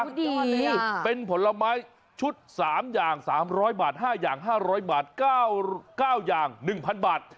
เป็นผลไม้ชุด๓อย่าง๓๐๐บาท๕อย่าง๕๐๐บาท๙อย่าง๑๐๐บาท